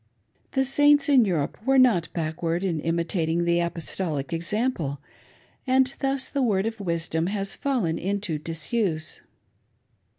The Saints in Europe were not backward in imitating the Apostolic example ; and thus the " Word of Wisdom " has ^len into disuse.